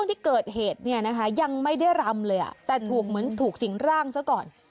แต่ถูกเหมือนถูกสิ่งร่างซะก่อน